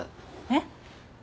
えっ？